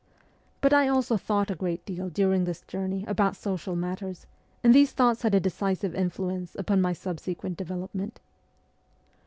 But I also thought a great deal during this journey about social matters, and these thoughts had a decisive influence upon my subsequent development.